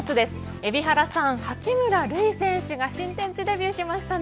海老原さん、八村塁選手が新天地デビューしましたね。